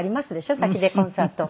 先でコンサート。